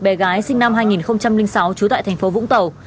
bé gái sinh năm hai nghìn sáu trú tại tp vũng tàu